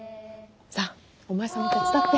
さぁお前さんも手伝って。